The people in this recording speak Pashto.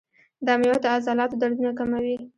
دا میوه د عضلاتو دردونه کموي.